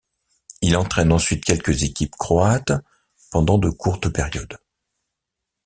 Il entraîne ensuite quelques équipes croates pendant de courtes périodes.